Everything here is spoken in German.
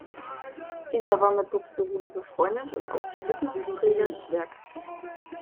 Dieser war mit Buxtehude befreundet und auch der Widmungsträger des Werkes.